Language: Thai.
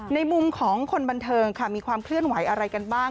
ในมุมของคนบันเทิงค่ะมีความเคลื่อนไหวอะไรกันบ้าง